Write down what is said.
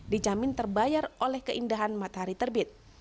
dijamin terbayar oleh keindahan matahari terbit